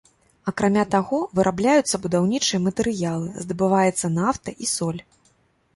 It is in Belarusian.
Акрамя таго, вырабляюцца будаўнічыя матэрыялы, здабываецца нафта і соль.